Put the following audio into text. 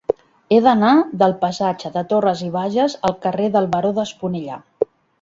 He d'anar del passatge de Torras i Bages al carrer del Baró d'Esponellà.